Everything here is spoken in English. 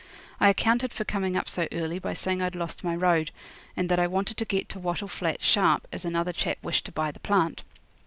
I accounted for coming up so early by saying I'd lost my road, and that I wanted to get to Wattle Flat sharp, as another chap wished to buy the plant.